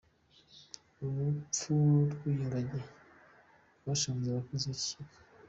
Urupfu rw’iyi ngagi rwashavuje abakozi b’icyo kigo.